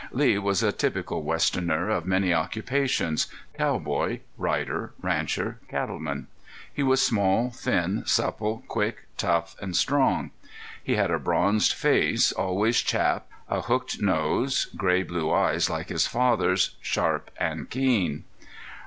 Lee was a typical westerner of many occupations cowboy, rider, rancher, cattleman. He was small, thin, supple, quick, tough and strong. He had a bronzed face, always chapped, a hooked nose, gray blue eyes like his father's, sharp and keen.